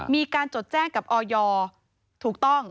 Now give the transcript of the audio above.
มีการจดแจ้งกับออยถูกต้อง